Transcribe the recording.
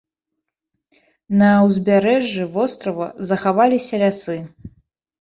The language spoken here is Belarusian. На ўзбярэжжы вострава захаваліся лясы.